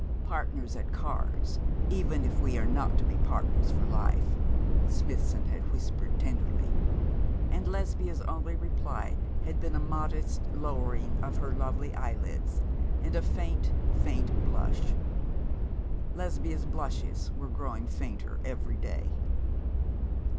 'Partners at cards, even if we are not to be partners for life,' Smithson had whispered, tenderly; and Lesbia's only reply had been a modest lowering of lovely eyelids, and a faint, faint blush. Lesbia's blushes were growing fainter every day.